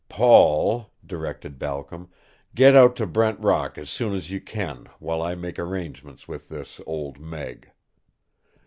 "Paul," directed Balcom, "get out to Brent Rock as soon as you can while I make arrangements with this Old Meg."